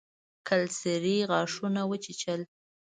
کلسري غاښونه وچيچل.